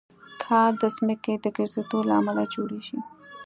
کال د ځمکې د ګرځېدو له امله جوړېږي.